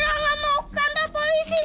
aduh enggak mau ke kantor polisi